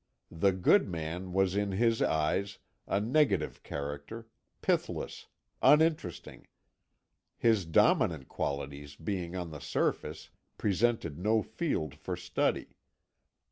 The good man was in his eyes a negative character, pithless, uninteresting; his dominant qualities, being on the surface, presented no field for study.